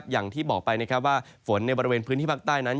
อย่างที่บอกไปนะครับว่าฝนในบริเวณพื้นที่ภาคใต้นั้น